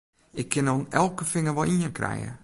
Ik kin oan elke finger wol ien krije!